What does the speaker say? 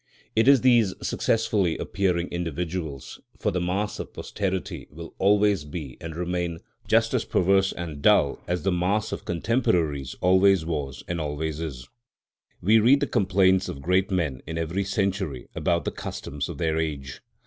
It is these successively appearing individuals, for the mass of posterity will always be and remain just as perverse and dull as the mass of contemporaries always was and always is. We read the complaints of great men in every century about the customs of their age.